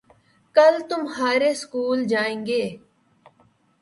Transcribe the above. کل تمہارے سکول جائیں گے